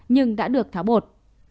nhưng đã được tháo bột